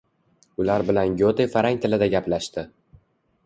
Ular bilan Gyote farang tilida gaplashdi.